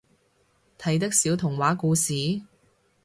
睇得少童話故事？